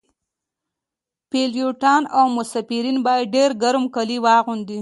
پیلوټان او مسافرین باید ډیر ګرم کالي واغوندي